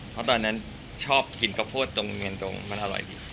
เพราะตอนนั้นชอบกินข้าวโพดตรงเนียนตรงมันอร่อยดี